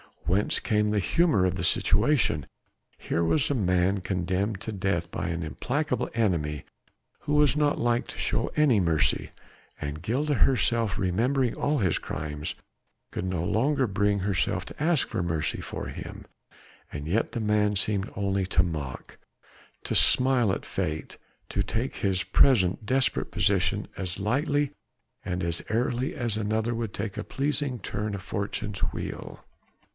whence came the humour of the situation! Here was a man condemned to death by an implacable enemy who was not like to show any mercy, and Gilda herself remembering all his crimes could no longer bring herself to ask for mercy for him, and yet the man seemed only to mock, to smile at fate, to take his present desperate position as lightly and as airily as another would take a pleasing turn of fortune's wheel.